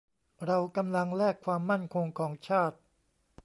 เรากำลังแลกความมั่นคงของชาติ